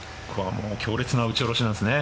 強烈な打ち下ろしなんですね。